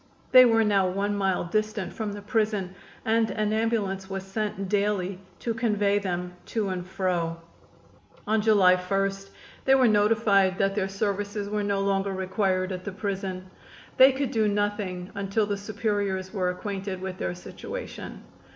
They were now one mile distant from the prison, and an ambulance was sent daily to convey them to and fro. On July 1 they were notified that their services were no longer required at the prison. They could do nothing until the superiors were acquainted with their situation.